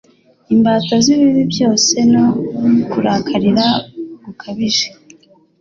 imbata z'ibibi byose no kurarikira gukabije,